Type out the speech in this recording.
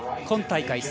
今大会